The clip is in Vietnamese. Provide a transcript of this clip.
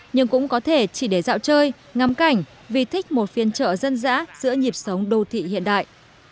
nhưng cũng có thể chỉ để dạo chơi ngắm cảnh vì thích một phiên chợ dân dã giữa nhịp sống đô thị hiện đại